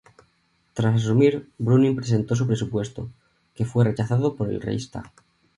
Tras asumir, Brüning presentó su presupuesto, que fue rechazado por el Reichstag.